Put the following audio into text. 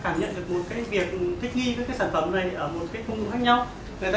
mỗi một khách hàng người ta cảm nhận được một việc thích nghi với sản phẩm này ở một khung khác nhau